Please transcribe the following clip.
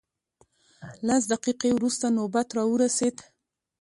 لس دقیقې وروسته نوبت راورسېد.